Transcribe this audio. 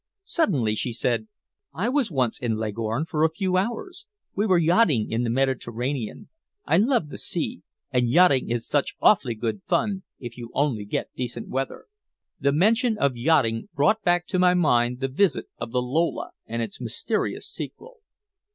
Suddenly she said "I was once in Leghorn for a few hours. We were yachting in the Mediterranean. I love the sea and yachting is such awfully good fun, if you only get decent weather." The mention of yachting brought back to my mind the visit of the Lola and its mysterious sequel.